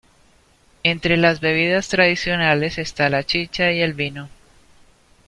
Entre las bebidas tradicionales está la chicha y el vino.